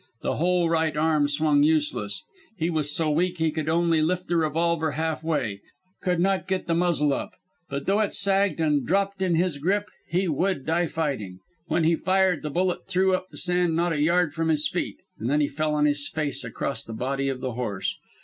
The whole right arm swung useless. He was so weak that he could only lift the revolver half way could not get the muzzle up. But though it sagged and dropped in his grip, he would die fighting. When he fired the bullet threw up the sand not a yard from his feet, and then he fell on his face across the body of the horse.